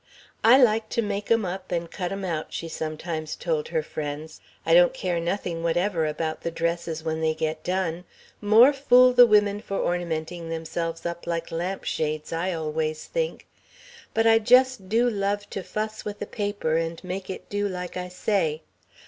"I like to make 'em up and cut 'em out," she sometimes told her friends. "I don't care nothing whatever about the dresses when they get done more fool the women for ornamenting themselves up like lamp shades, I always think. But I just do love to fuss with the paper and make it do like I say.